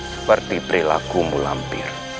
seperti perilakumu mampir